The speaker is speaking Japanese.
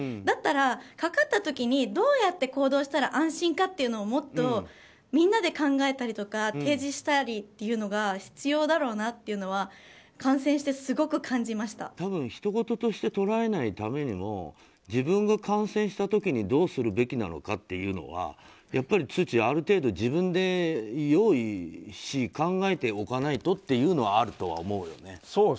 だったら、かかった時にどうやって行動したら安心かっていうのをもっとみんなで考えたりとか提示したりっていうのが必要だろうなというのは感染して多分、ひとごととして捉えないためにも自分が感染した時にどうするべきなのかというのはやっぱりツッチーある程度、自分で用意し考えておかないとっていうのはあると思うよね。